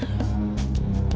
mas sebenarnya aku mau cerita